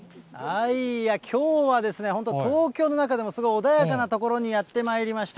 きょうはですね、本当、東京の中でもすごい穏やかな所にやってまいりました。